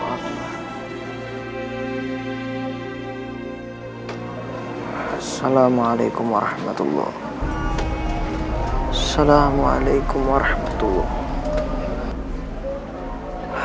assalamualaikum warahmatullahi wabarakatuh